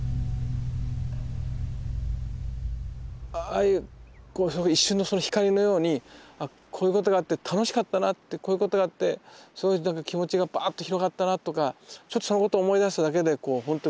ああいう一瞬のその光のようにこういうことがあって楽しかったなってこういうことがあってそういうときは気持ちがバーッて広がったなとかちょっとそのことを思い出しただけでほんと